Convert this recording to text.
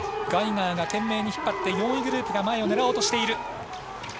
ガイガーが懸命に引っ張って４位グループが前を狙おうとしている。